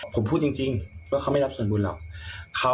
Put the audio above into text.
ผมพูดจริงว่าเขาไม่รับส่วนบุญหรอก